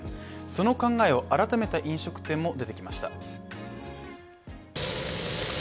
その考えを、改めた飲食店も出てきました。